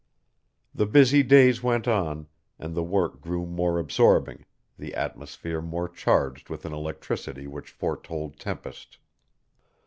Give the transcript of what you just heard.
The busy days went on, and the work grew more absorbing, the atmosphere more charged with an electricity which foretold tempest.